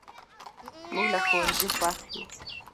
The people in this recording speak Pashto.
موږ له ښوونځي خوښ یو.